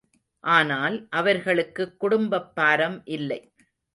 ஆனால், அவர்களுக்குக் குடும்பப் பாரம் இல்லை.